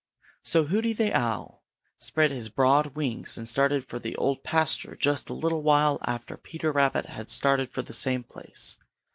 So Hooty the Owl spread his broad wings and started for the Old Pasture just a little while after Peter Rabbit had started for the same place.